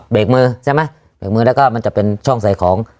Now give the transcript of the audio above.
กมือใช่ไหมเบรกมือแล้วก็มันจะเป็นช่องใส่ของ